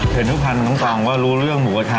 เผ็ดนุภัณฑ์น้องกองว่ารู้เรื่องหมูกระทะ